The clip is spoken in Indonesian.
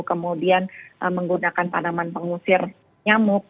kemudian menggunakan tanaman pengusir nyamuk